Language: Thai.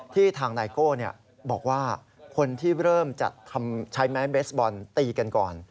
ทางไนโก้บอกว่าคนที่เริ่มจัดใช้ไม้เบสบอลตีกันก่อน